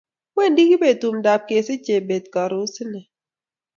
wendi kibet tumdo ab kesich jebet karon sinee